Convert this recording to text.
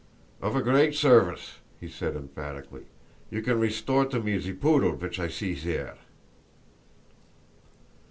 "Of a great service," he said, emphatically; "you can restore to me ze poodle vich I see zere!"